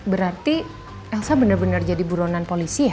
berarti elsa bener bener jadi buronan polisi ya